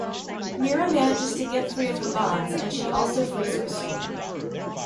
Meera manages to get free of her bonds and she also frees Christine.